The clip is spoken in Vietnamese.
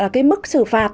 cái mức xử phạt